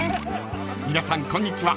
［皆さんこんにちは